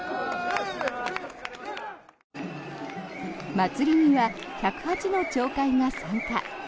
祭りには１０８の町会が参加。